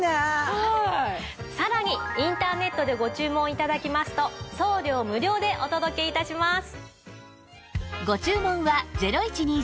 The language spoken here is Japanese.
さらにインターネットでご注文頂きますと送料無料でお届け致します。